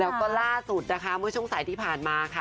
แล้วก็ล่าสุดนะคะเมื่อช่วงสายที่ผ่านมาค่ะ